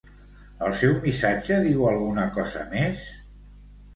El seu missatge diu alguna cosa més?